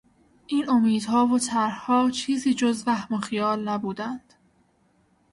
این امیدها و طرحها چیزی جز وهم و خیال نبودند.